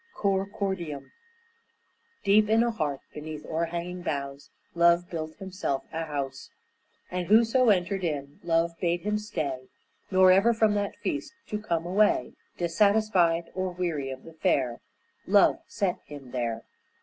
COR CORDIUM Deep in a heart, beneath o'er hanging boughs, Love built himself a house, And whoso entered in, Love bade him stay, Nor ever from that feast to come away Dissatisfied or weary of the fare Love set him there.